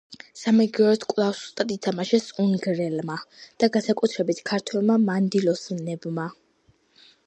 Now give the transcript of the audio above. სამაგიეროდ კვლავ სუსტად ითამაშეს უნგრელმა და განსაკუთრებით ქართველმა მანდილოსნებმა.